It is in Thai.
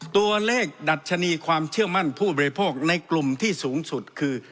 ตัวเลขดัชนีความเชื่อมั่นผู้บริโภคในกลุ่มที่สูงสุดคือ